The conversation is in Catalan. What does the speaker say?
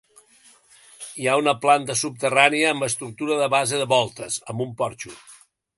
Hi ha una planta subterrània amb estructura a base de voltes, amb un porxo.